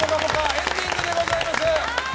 エンディングでございます。